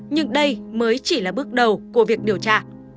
nhưng đây mới chỉ là bước đầu của việc điều tra